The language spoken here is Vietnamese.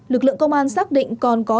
lực lượng công an xác định còn có